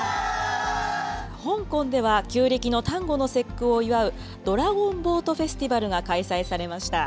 香港では、旧暦の端午の節句を祝うドラゴンボートフェスティバルが開催されました。